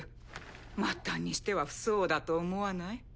末端にしては不相応だと思わない？